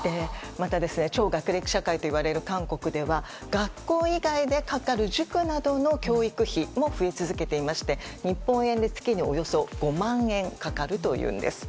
また、超学歴社会といわれる韓国では学校以外でかかる塾などの教育費も増え続けていまして日本円で月におよそ５万円かかるというんです。